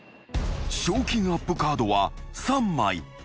［賞金アップカードは３枚］